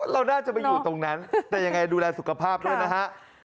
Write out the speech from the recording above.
เราน่าจะไปอยู่ตรงนั้นแต่ยังไงดูแลสุขภาพด้วยนะครับ